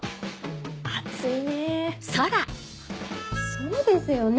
そうですよね。